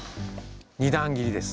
２段切りです。